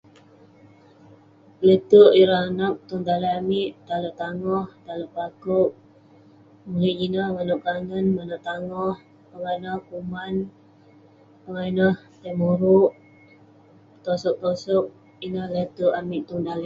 Le'terk ireh anag tong daleh amik, tai alek tangoh, tai alek pakouk, mulik jin ineh, manouk kanen, manouk tangoh, pongah ineh kuman..pongah ineh tai mopuk, tosog tosog ,ineh le'terk amik tong daleh